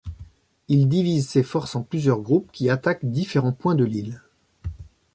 Il divise ses forces en plusieurs groupes, qui attaquent différents points de l'île.